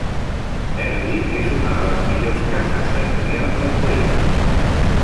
Erddig és una de les millors cases senyorials del país.